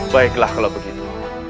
baiklah kalau begitu